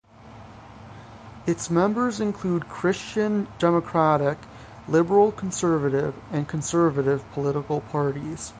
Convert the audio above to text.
Its members include Christian democratic, liberal conservative, and conservative political parties.